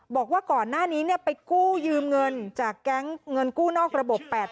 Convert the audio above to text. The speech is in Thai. บอกว่าก่อนหน้านี้ไปกู้ยืมเงินจากแก๊งเงินกู้นอกระบบ๘๐๐